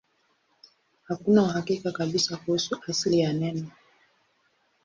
Hakuna uhakika kabisa kuhusu asili ya neno.